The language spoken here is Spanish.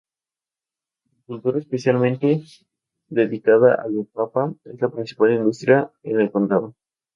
La agricultura, especialmente dedicada a la papa, es la principal industria en el condado.